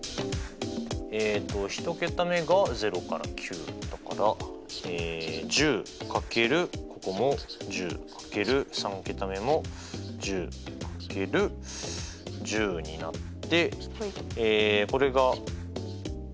えっと１桁目が０から９だから１０掛けるここも１０掛ける３桁目も１０掛ける１０になってえこれが１０の４乗。